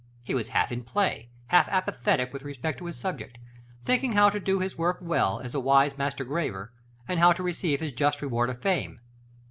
He was half in play, half apathetic with respect to his subject, thinking how to do his work well, as a wise master graver, and how to receive his just reward of fame.